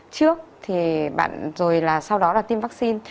trước thì bạn rồi là sau đó là tiêm vaccine